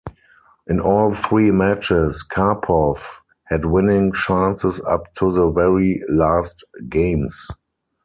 In all three matches, Karpov had winning chances up to the very last games.